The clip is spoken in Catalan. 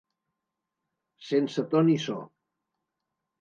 Sense to ni so.